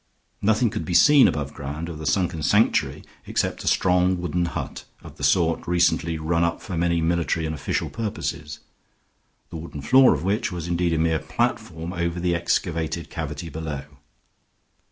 Nothing could be seen above ground of the sunken sanctuary except a strong wooden hut, of the sort recently run up for many military and official purposes, the wooden floor of which was indeed a mere platform over the excavated cavity below.